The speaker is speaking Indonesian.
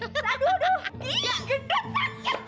aduh gede sakit tau gak